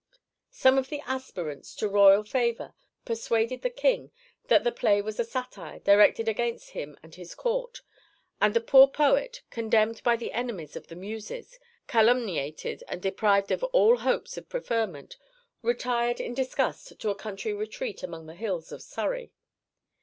Some of the aspirants to royal favour persuaded the King that the play was a satire directed against him and his Court, and the poor poet, condemned by the enemies of the Muses, calumniated and deprived of all hopes of preferment, retired in disgust to a country retreat among the hills of Surrey.